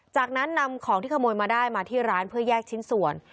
จากนั้นนำของที่ขโมยมาได้มาที่ร้านเพื่อแยกชิ้นส่วน